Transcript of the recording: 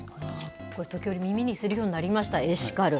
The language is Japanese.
これ、時折、耳にするようになりました、エシカル。